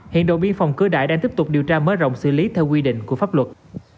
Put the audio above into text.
hiện đội biên phòng cửa đại đang tiếp tục điều tra mở rộng xử lý theo quy định của pháp luật